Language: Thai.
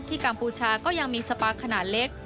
กัมพูชาก็ยังมีสปาขนาดเล็ก